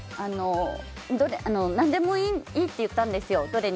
何でもいいって言ったんですよ。